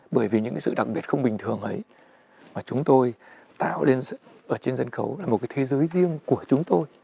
bởi vì những cái sự đặc biệt không bình thường ấy mà chúng tôi tạo lên ở trên sân khấu là một cái thế giới riêng của chúng tôi